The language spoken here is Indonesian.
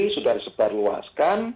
sudah disebar luaskan